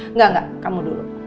enggak enggak kamu dulu